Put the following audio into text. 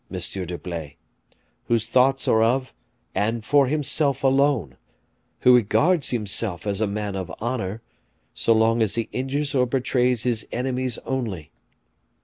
d'Herblay, whose thoughts are of and for himself alone, who regards himself as a man of honor, so long as he injures or betrays his enemies only.